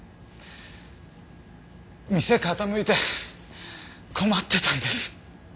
店傾いて困ってたんです。